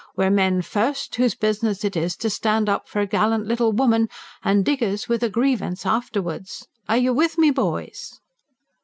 We're men first, whose business it is to stand up for a gallant little woman, and diggers with a grievance afterwards. Are you with me, boys?